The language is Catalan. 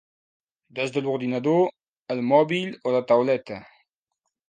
Des de l'ordinador, el mòbil o la tauleta.